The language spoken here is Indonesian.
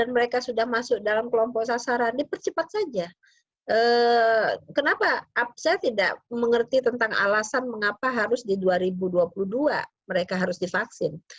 mereka harus divaksin